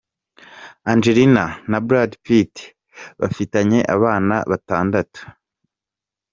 Angelina na Brad Pitt bafitanye abana batandatu.